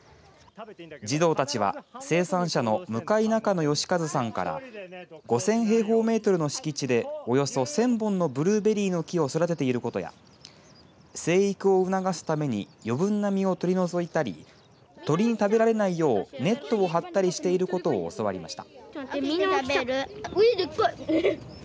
児童たちは生産者の向中野芳和さんから５０００平方メートルの敷地でおよそ１０００本のブルーベリーの木を育てていることや生育を促すために余分な実を取り除いたり鳥に食べられないようネットを張ったりしていることを教わりました。